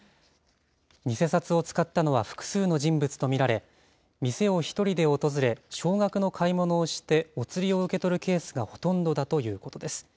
偽札を使ったのは複数の人物と見られ、店を１人で訪れ、少額の買い物をしてお釣りを受け取るケースがほとんどだということです。